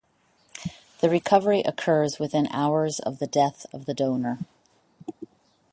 The recovery occurs within hours of the death of the donor.